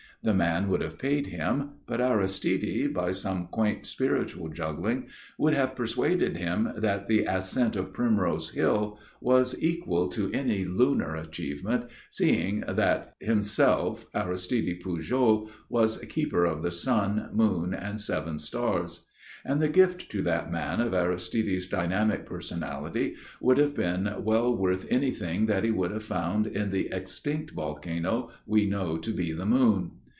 The man would have paid him; but Aristide, by some quaint spiritual juggling, would have persuaded him that the ascent of Primrose Hill was equal to any lunar achievement, seeing that, himself, Aristide Pujol, was keeper of the Sun, Moon and Seven Stars; and the gift to that man of Aristide's dynamic personality would have been well worth anything that he would have found in the extinct volcano we know to be the moon.